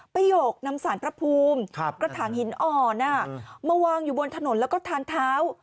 โยกนำสารพระภูมิกระถางหินอ่อนมาวางอยู่บนถนนแล้วก็ทางเท้า